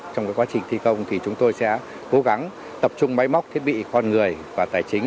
trong quá trình thi công thì chúng tôi sẽ cố gắng tập trung máy móc thiết bị con người và tài chính